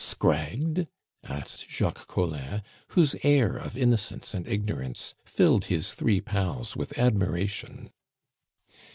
"Scragged?" asked Jacques Collin, whose air of innocence and ignorance filled his three pals with admiration.